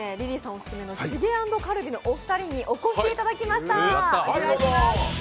オススメのチゲ＆カルビのお二人にお越しいただきました。